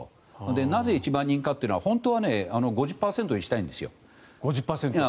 なぜ１万人かというのは本当は５０％にしたいんですよ。